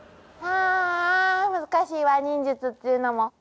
はぁ難しいわ忍術っていうのも。